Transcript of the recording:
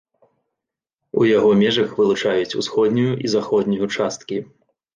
У яго межах вылучаюць усходнюю і заходнюю часткі.